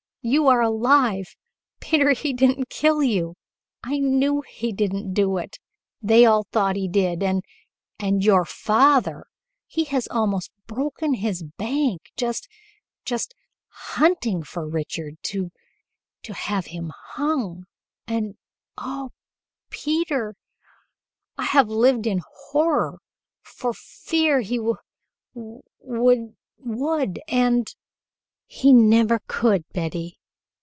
You are alive! Peter, he didn't kill you! I knew he didn't do it. They all thought he did, and and your father he has almost broken his bank just just hunting for Richard to to have him hung and oh! Peter, I have lived in horror, for fear he w w w would, and " "He never could, Betty.